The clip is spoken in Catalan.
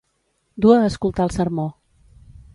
Dur a escoltar el sermó.